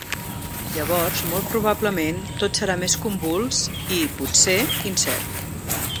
Llavors, molt probablement, tot serà més convuls i, potser, incert.